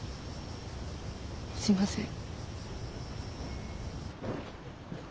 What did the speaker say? すいません。